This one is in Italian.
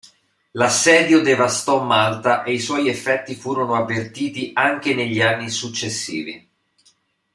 L'assedio devastò Malta e i suoi effetti furono avvertiti anche negli anni successivi.